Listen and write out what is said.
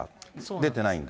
出てないんで。